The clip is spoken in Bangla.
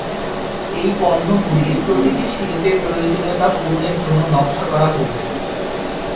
এই পণ্যগুলির প্রতিটি শিল্পে প্রয়োজনীয়তা পূরণের জন্য নকশা করা হয়েছে।